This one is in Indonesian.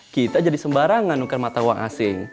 kita jadi sembarangan nukar mata uang asing